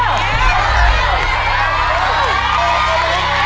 เดินเร็วเร็วเร็วเร็ว